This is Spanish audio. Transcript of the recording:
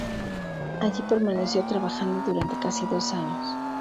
Allí permaneció trabajando durante casi dos años.